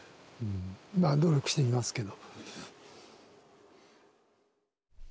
まあ努力してみますけど。